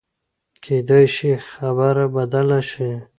کېدای شي خبره بدله شي.